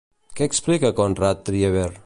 Què explica Conrad Trieber?